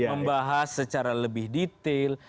membahas secara lebih detail